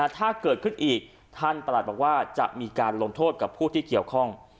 ถ้าเกิดขึ้นอีกท่านประหลัดบอกว่าจะมีการลงโทษกับผู้ที่เกี่ยวข้อง